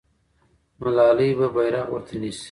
ملالۍ به بیرغ ورته نیسي.